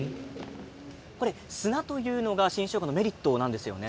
砂というのが新しょうがのメリットなんですよね。